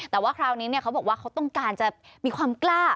แต่ว่าคราวนี้เขาบอกว่าเขาต้องการจะมีความกล้า